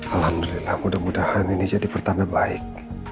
alhamdulillah mudah mudahan ini jadi pertanda baik